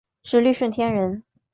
直隶顺天人。